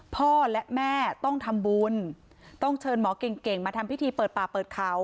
พ่อและแม่ต้องทำบุญต้องเชิญหมอเก่งเก่งมาทำพิธีเปิดป่าเปิดเขา